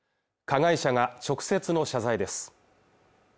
加害者が直接の謝罪です